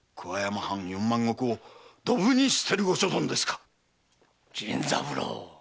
藩四万石をドブに捨てる御所存ですか⁉甚三郎！